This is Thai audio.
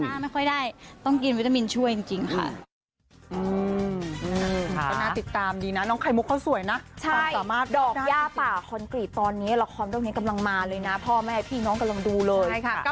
น้องเมื่อก่อนก็เริ่มเมื่อก่อนก็เต้นใช่